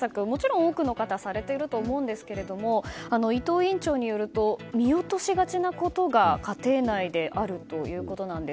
多くの方はもちろんされていると思うんですが伊藤院長によると見落としがちなことが家庭内であるということです。